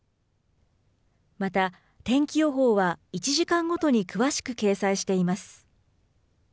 また、天気予報は１時間ごとに詳しく掲載しています。